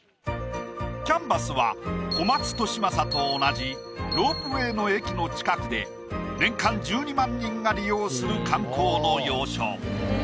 キャンバスは小松利昌と同じロープウェイの駅の近くで年間１２万人が利用する観光の要所。